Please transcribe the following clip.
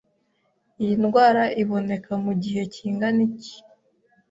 Iyi ndwara iboneka mu gihe kingana iki